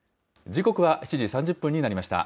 時刻は７時３０分になりました。